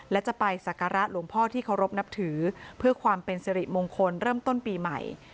และจะไปสักการะหลวงพ่อที่เคารพนับถือเพื่อความเป็นสิริมงคลเริ่มต้นปีใหม่